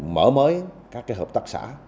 mở mới các hợp tác xã